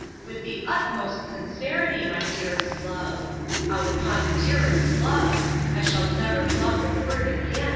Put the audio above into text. '—with the UTMOST sincerity, my dearest love—'Out upon DEAREST love! I shall never love the word again!